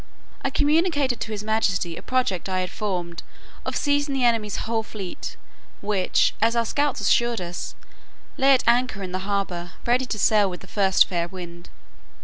I communicated to his majesty a project I had formed of seizing the enemy's whole fleet; which, as our scouts assured us, lay at anchor in the harbour, ready to sail with the first fair wind.